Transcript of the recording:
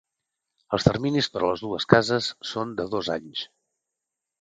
Els terminis per a les dues cases són de dos anys.